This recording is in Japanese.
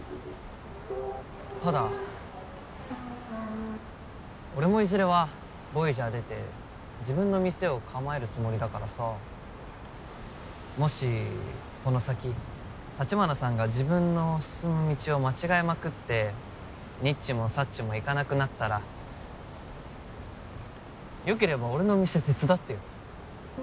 ただ俺もいずれはボイジャー出て自分の店を構えるつもりだからさもしこの先城華さんが自分の進む道を間違えまくってにっちもさっちもいかなくなったらよければ俺の店手伝ってよ。